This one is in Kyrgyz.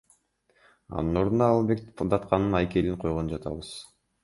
Анын ордуна Алымбек датканын айкелин койгону жатабыз.